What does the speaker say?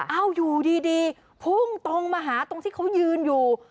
อยู่ดีพุ่งตรงมาหาตรงที่เขายืนอยู่